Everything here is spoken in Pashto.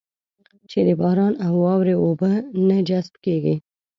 چې د باران او واورې اوبه نه جذب کېږي.